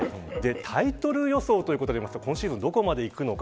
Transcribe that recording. タイトル予想ということでいうと今シーズンどこまでいくのか。